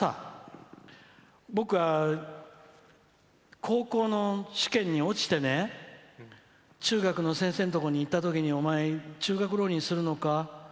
僕は高校の試験に落ちてね中学の先生のところに行ったときにお前、中学浪人するのか？